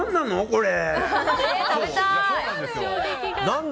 これ。